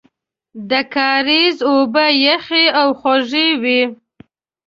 د کاریز اوبه یخې او خوږې وې.